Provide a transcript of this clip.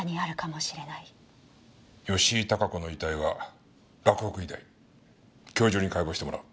吉井孝子の遺体は洛北医大今日中に解剖してもらう。